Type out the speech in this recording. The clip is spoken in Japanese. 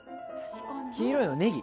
黄色いのねぎ？